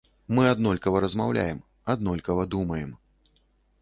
Мы аднолькава размаўляем, аднолькава думаем.